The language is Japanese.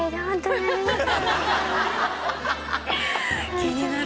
気になる。